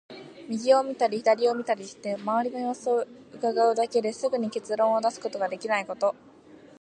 右を見たり左を見たりして、周りの様子を窺うだけですぐに結論を出すことができないこと。